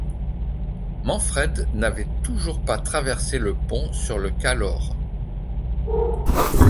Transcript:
Manfred n'avait toujours pas traversé le pont sur le Calore.